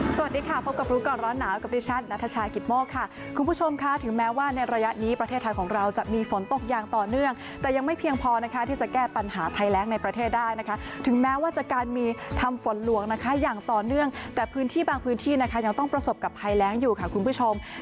สวัสดีค่ะพบกับรู้ก่อนร้อนหนาวกับดิฉันนัทชายกิตโมกค่ะคุณผู้ชมค่ะถึงแม้ว่าในระยะนี้ประเทศไทยของเราจะมีฝนตกอย่างต่อเนื่องแต่ยังไม่เพียงพอนะคะที่จะแก้ปัญหาภัยแรงในประเทศได้นะคะถึงแม้ว่าจะการมีทำฝนหลวงนะคะอย่างต่อเนื่องแต่พื้นที่บางพื้นที่นะคะยังต้องประสบกับภัยแรงอยู่ค่ะคุณผู้ชม